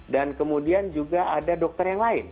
dan kemudian juga ada dokter yang lain